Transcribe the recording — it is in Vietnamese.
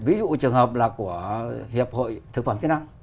ví dụ trường hợp là của hiệp hội thực phẩm chức năng